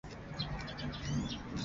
授户科给事中。